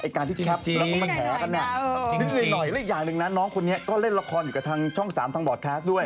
การที่แล้วก็มาแฉกันเนี่ยนิดหน่อยและอีกอย่างหนึ่งนะน้องคนนี้ก็เล่นละครอยู่กับทางช่อง๓ทางบอร์ดแคสต์ด้วย